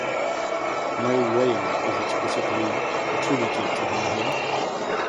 No reign is explicitly attributed to him here.